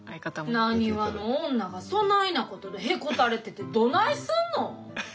なにわの女がそないなことでへこたれててどないすんの。